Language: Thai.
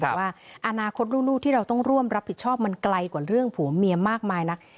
ว่าอนาคตลูกที่เราต้องร่วมรับผิดชอบมันไกลกว่าเรื่องผัวเมียมากมายนัก